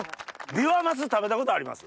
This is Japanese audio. ビワマス食べたことあります？